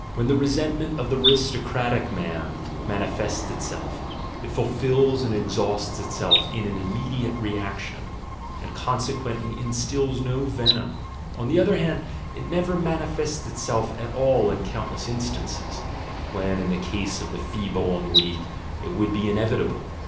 When the re sentment of the aristocratic man manifests itself, it fulfils and exhausts itself in an immediate reaction, and conse quently instills no venom: on the other hand, it never manifests itself at all in countless instances, when in the case of the feeble and weak it would be inevitable.